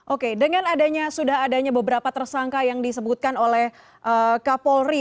oke dengan adanya sudah adanya beberapa tersangka yang disebutkan oleh kapolri